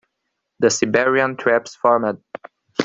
The Siberian Traps formed.